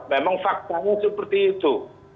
memang faktanya seperti itu